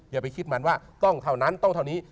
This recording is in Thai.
อย่าไปคิดมันว่าต้องเท่านั้นต้องเท่านี้